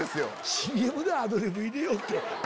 ＣＭでアドリブ入れよう！って。